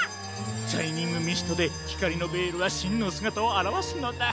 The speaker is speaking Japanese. シャイニングミストでひかりのベールはしんのすがたをあらわすのだ。